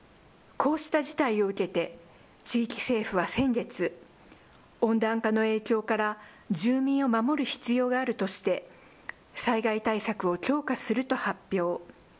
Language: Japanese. こうした事態を受けて、地域政府は先月、温暖化の影響から住民を守る必要があるとして、災害対策を強化すると発表。